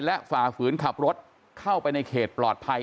และฝ่าฝืนขับรถเข้าไปในเขตปลอดภัย